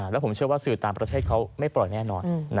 แล้วผมเชื่อว่าสื่อต่างประเทศเขาไม่ปล่อยแน่นอน